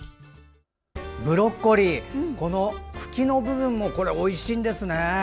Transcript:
ブロッコリーは茎の部分もおいしいんですね。